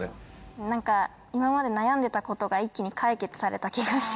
何か今まで悩んでたことが一気に解決された気がしました。